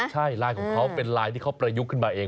ใช่ไลน์ของเขาเป็นไลน์ที่เขาประยุกต์ขึ้นมาเอง